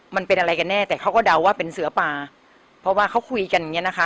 มันเป็นอะไรกันแน่แต่เขาก็เดาว่าเป็นเสือป่าเพราะว่าเขาคุยกันอย่างเงี้นะคะ